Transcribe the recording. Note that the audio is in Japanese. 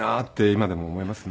今でも思いますね。